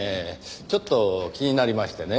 ちょっと気になりましてね。